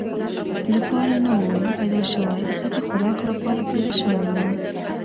لپاره نه ووم پیدا شوی، زه د خوراک لپاره پیدا شوی ووم.